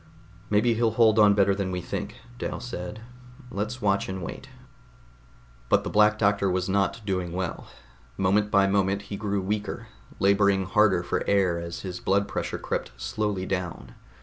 "Maybe he'll hold on better than we think," Dal said. "Let's watch and wait." But the Black Doctor was not doing well. Moment by moment he grew weaker, laboring harder for air as his blood pressure crept slowly down.